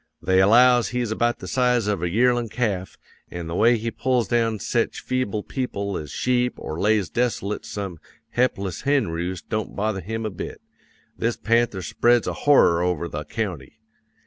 They allows he's about the size of a yearlin' calf; an' the way he pulls down sech feeble people as sheep or lays desolate some he'pless henroost don't bother him a bit. This panther spreads a horror over the county.